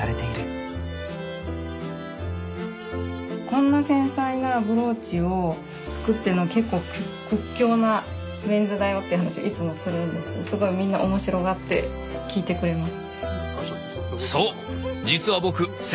こんな繊細なブローチを作ってるのが結構屈強なメンズだよって話いつもするんですけどすごいみんな面白がって聞いてくれます。